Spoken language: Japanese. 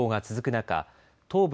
中東部